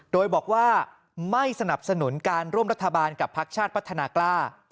โดยบอกว่าไม่สนับสนุนการร่วมรัฐบาลกับพักชาติพัฒนากล้า